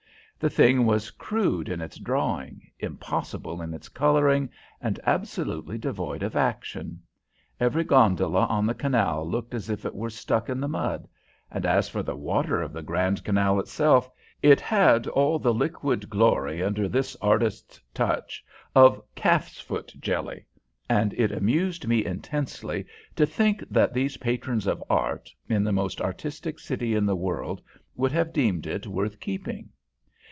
The thing was crude in its drawing, impossible in its coloring, and absolutely devoid of action. Every gondola on the canal looked as if it were stuck in the mud, and as for the water of the Grand Canal itself, it had all the liquid glory under this artist's touch of calf's foot jelly, and it amused me intensely to think that these patrons of art, in the most artistic city in the world, should have deemed it worth keeping.